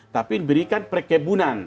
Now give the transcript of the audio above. tapi diberikan perkebunan